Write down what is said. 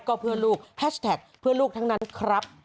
ก็เพื่อลูกแฮชแท็กเพื่อลูกทั้งนั้นครับ